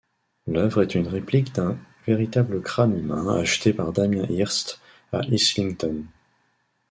L'œuvre est une réplique d'un véritable crâne humain acheté par Damien Hirst à Islington.